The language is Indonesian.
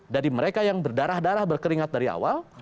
dari mereka yang berdarah darah berkeringat dari awal